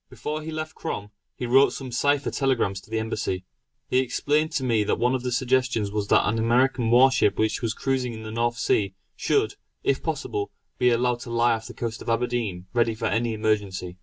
Before he left Crom, he wrote some cipher telegrams to the Embassy. He explained to me that one of his suggestions was that an American war ship which was cruising in the North Sea should, if possible, be allowed to lie off the coast of Aberdeen ready for any emergency.